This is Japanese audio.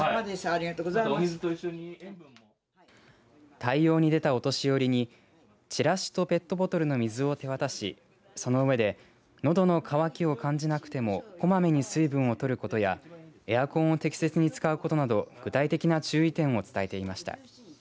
対応に出たお年寄りにチラシとペットボトルの水を手渡しその上で喉の渇きを感じなくてもこまめに水分をとることやエアコンを適切に使うことなど具体的な注意点を伝えていました。